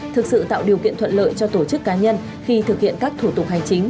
thực sự tạo điều kiện thuận lợi cho tổ chức cá nhân khi thực hiện các thủ tục hành chính